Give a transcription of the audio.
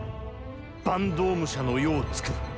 坂東武者の世をつくる。